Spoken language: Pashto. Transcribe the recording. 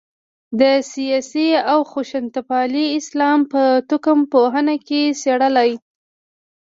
د سیاسي او خشونتپالي اسلام په توکم پوهنه کې څېړلای.